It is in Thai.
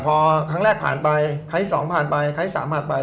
แต่คล้างแรกผ่านไปคล้างที่สองผ่านไปคล้างที่สามผ่านไป